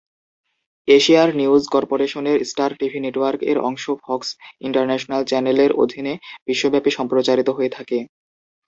এশিয়ার নিউজ কর্পোরেশনের Star TV network এর অংশ ফক্স ইন্টারন্যাশনাল চ্যানেলের অধীনে বিশ্বব্যাপী সম্প্রচারিত হয়ে থাকে।